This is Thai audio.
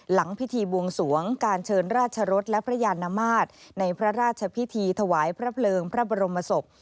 หลังพิธีบวงสวงการเชิญราชรสและพระยานมาตรในพระราชพิธีถวายพระเพลิงพระบรมศพ